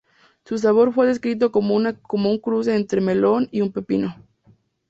Su sabor fue descrito como un cruce entre un melón y un pepino.